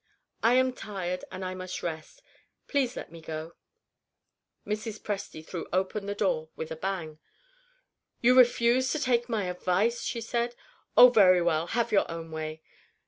"I am tired, and I must rest. Please let me go." Mrs. Presty threw open the door with a bang. "You refuse to take my advice?" she said. "Oh, very well, have your own way!